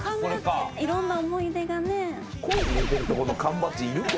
いろんな思い出がね。